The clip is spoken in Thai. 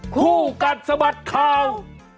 คู่กันสมัสข่าว